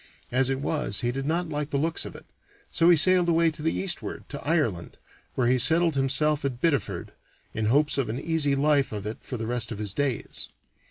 As it was, he did not like the looks of it, so he sailed away to the eastward, to Ireland, where he settled himself at Biddeford, in hopes of an easy life of it for the rest of his days.